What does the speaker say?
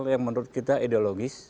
yang menurut kita ideologis